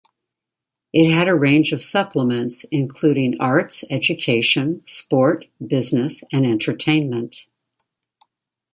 It had a range of supplements, including Arts, Education, Sport, Business and Entertainment.